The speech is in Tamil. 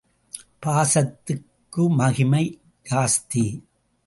பாசத்துக்கு மகிமை ஜாஸ்தி.